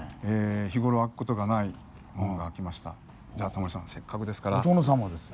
日頃は開く事がない門が開きました。